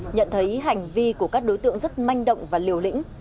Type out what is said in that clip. nhận thấy hành vi của các đối tượng rất manh động và liều lĩnh